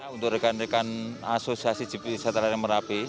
untuk rekan rekan asosiasi jeep wisata lereng merapi